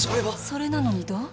それなのにどう？